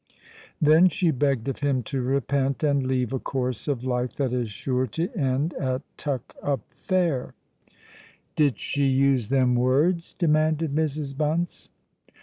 Then she begged of him to repent and leave a course of life that is sure to end at Tuck up Fair." "Did she use them words?" demanded Mrs. Bunce.